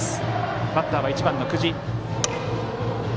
バッターは１番の久慈。